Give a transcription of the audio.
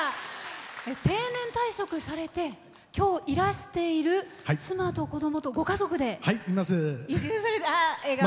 定年退職されて今日、いらしている妻と子どもとご家族で移住されて。